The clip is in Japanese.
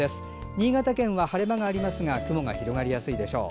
新潟県は晴れ間がありますが雲が広がりやすいでしょう。